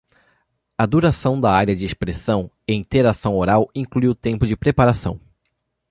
A duração da Área de Expressão e Interação Oral inclui o tempo de preparação.